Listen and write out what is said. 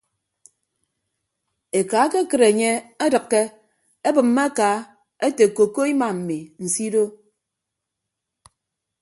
Eka ekekịt enye edịkke ebịmme aka ete koko ima mi nsido.